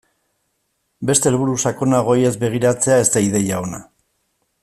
Beste helburu sakonagoei ez begiratzea ez da ideia ona.